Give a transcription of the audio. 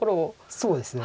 そうですね。